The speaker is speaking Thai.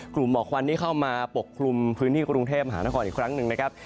หมอกควันที่เข้ามาปกคลุมพื้นที่กรุงเทพมหานครอีกครั้งหนึ่งนะครับ